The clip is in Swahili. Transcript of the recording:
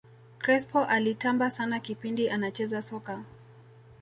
crespo alitamba sana kipindi anacheza soka